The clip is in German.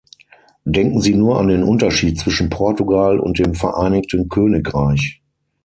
Denken Sie nur an den Unterschied zwischen Portugal und dem Vereinigten Königreich.